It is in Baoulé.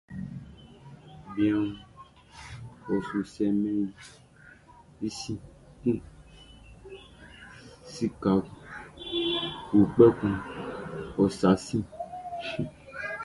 Bianʼn wu, ɔ su sɛmɛn i sin kun; sikaʼn wu, kpɛkun ɔ sa sin.